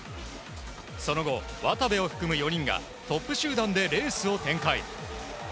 その後、渡部を含む４人がトップ集団でレースを展開。